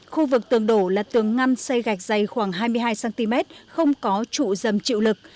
khu vực tường đổ là tường ngăn xây gạch dày khoảng hai mươi hai cm không có trụ dầm chịu lực